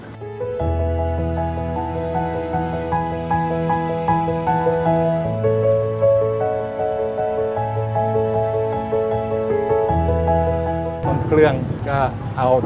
เอาลักษณะที่สุดของคุณแม่อย่าได้เลย